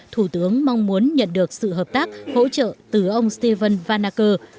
thủ tướng mong muốn nhận được sự hợp tác hỗ trợ từ ông steven van acker